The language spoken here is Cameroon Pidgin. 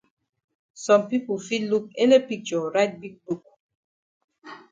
Some pipo fit look ele picture write big book.